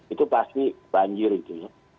itu pasti banjir itu